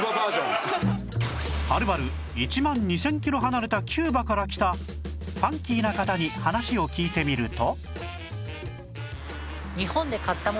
はるばる１万２０００キロ離れたキューバから来たファンキーな方に話を聞いてみると